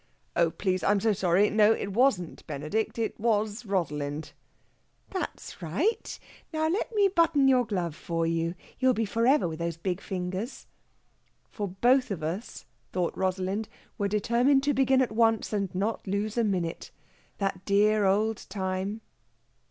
"Oh, please! I'm so sorry. No it wasn't Benedict it was Rosalind." "That's right! Now let me button your glove for you. You'll be for ever, with those big fingers." For both of us, thought Rosalind, were determined to begin at once and not lose a minute. That dear old time